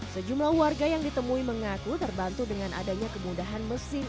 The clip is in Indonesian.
sejumlah warga yang ditemui mengaku terbantu dengan adanya kemudahan mesin